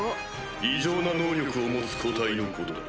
異常な能力を持つ個体のことだ。